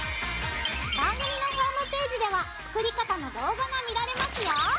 番組のホームページでは作り方の動画が見られますよ。